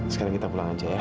sekarang kita pulang aja ya